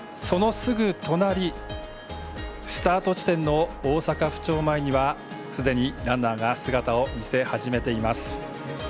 そのすぐ隣、スタート地点の大阪府庁前にはすでにランナーが姿を見せ始めています。